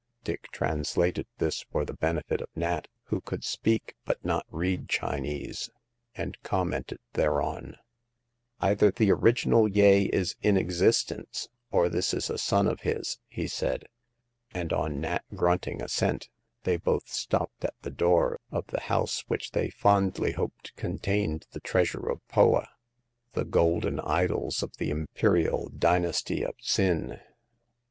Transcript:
Dick translated this for the benefit of Nat, who could speak but not read Chinese, and commented thereon. The Third Customer. 103 " Either the original Yeh is in existence, or this is a son of his," he said, and on Nat grunt ing assent they both stopped at the door of the house which they fondly hoped contained the treasure of Poa, the golden idols of the Imperial dynasty of T'sin.